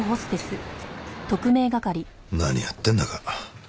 何やってんだか。